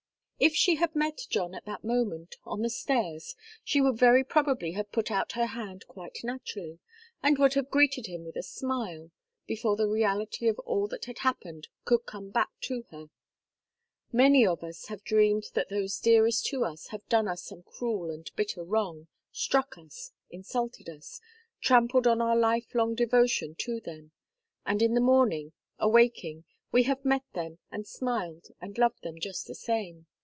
If she had met John at that moment, on the stairs, she would very probably have put out her hand quite naturally, and would have greeted him with a smile, before the reality of all that had happened could come back to her. Many of us have dreamed that those dearest to us have done us some cruel and bitter wrong, struck us, insulted us, trampled on our life long devotion to them; and in the morning, awaking, we have met them, and smiled, and loved them just the same.